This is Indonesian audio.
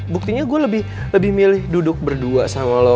buktinya gue lebih milih duduk berdua sama lo